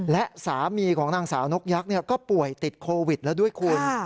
และสามีของนางสาวนกยักษ์ก็ป่วยติดโควิดแล้วด้วยคุณ